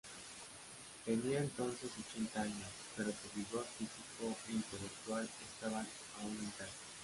Tenía entonces ochenta años, pero su vigor físico e intelectual estaban aún intactos.